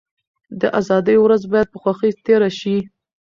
د ازادۍ ورځ بايد په خوښۍ تېره شي.